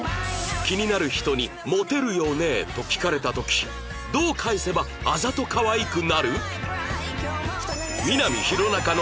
気になる人に「モテるよね？」と聞かれた時どう返せばあざと可愛くなる？